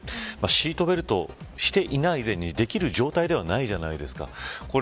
シートベルトをしていない以前にできる状態じゃないじゃないですか。